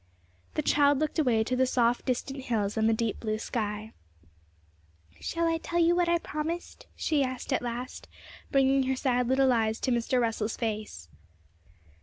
The child looked away to the soft distant hills and the deep blue sky. 'Shall I tell you what I promised?' she asked at last, bringing her sad little eyes to Mr. Russell's face.